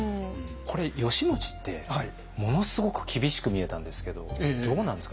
これ義持ってものすごく厳しく見えたんですけどどうなんですか？